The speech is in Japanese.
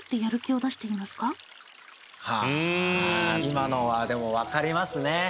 今のはでもわかりますね。